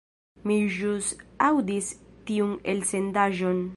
Mi ĵus aŭdis tiun elsendaĵon.